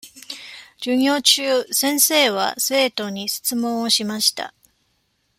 授業中、先生は生徒に質問をしました。